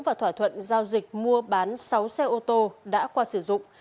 và thỏa thuận giao dịch mua bán sáu xe ô tô đã qua sử dụng